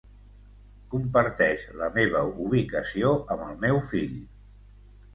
Comparteix la meva ubicació amb el meu fill.